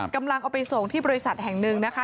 กำลังเอาไปส่งที่บริษัทแห่งหนึ่งนะคะ